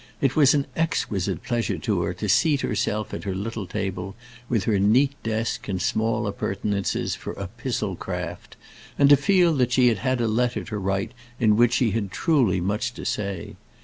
It was an exquisite pleasure to her to seat herself at her little table, with her neat desk and small appurtenances for epistle craft, and to feel that she had a letter to write in which she had truly much to say.